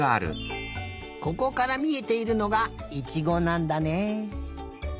ここからみえているのがいちごなんだね。